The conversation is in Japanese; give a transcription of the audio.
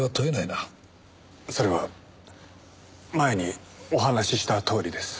それは前にお話ししたとおりです。